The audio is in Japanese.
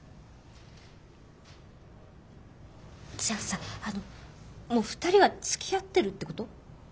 じゃあさあのもう２人はつきあってるってこと？